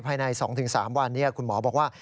ภายใน๒๓วันคุณหมอบอกว่า